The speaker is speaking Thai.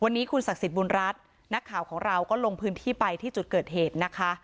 วันนี้คุณศักดิ์สิทธิบุญรัฐนักข่าวของเราก็ลงพื้นที่ไปที่จุดเกิดเหตุนะคะ